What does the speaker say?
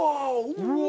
うわ！